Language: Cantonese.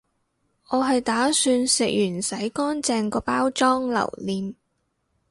我係打算食完洗乾淨個包裝留念